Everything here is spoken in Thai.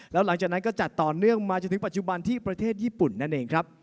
แล้วหลังจากนั้นก็จัดต่อเนื่องมาจนถึงปัจจุบันที่ประเทศญี่ปุ่นนั่นเองครับ